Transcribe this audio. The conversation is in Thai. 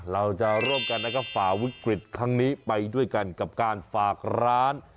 เราจะร่วมกันนะครับฝ่าวิกฤตครั้งนี้ไปด้วยกันกับการฝากร้าน